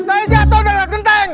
saya jatuh dari atas genteng